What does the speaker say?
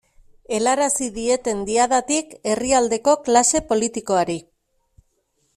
Helarazi dieten Diadatik herrialdeko klase politikoari.